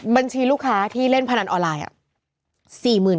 บัญชีลูกค้าที่เล่นพนันออนไลน์